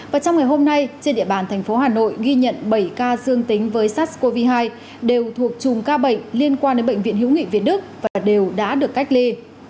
và trong ngày hôm nay trên địa bàn thành phố hà nội ghi nhận bảy ca dương tính với sars cov hai đều thuộc chùm ca bệnh liên quan đến bệnh viện hiếu nghị việt đức và đều đã được cách ly